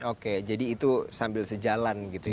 oke jadi itu sambil sejalan gitu ya